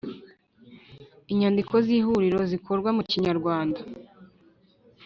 Inyandiko z Ihuriro zikorwa mu kinyarwanda